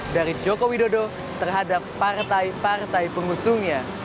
dari jokowi dodo terhadap partai partai pengusungnya